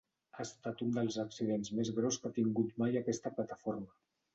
Ha estat un dels accidents més greus que ha tingut mai aquesta plataforma.